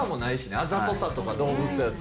あざとさとか動物やと。